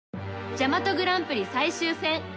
ジャマトグランプリ最終戦